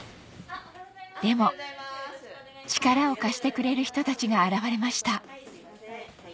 でも力を貸してくれる人たちが現れました